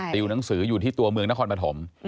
ติวหนังสืออยู่ที่ตัวเมืองนครปฐม